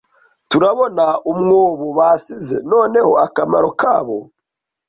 Turabona umwobo basize. Noneho akamaro kabo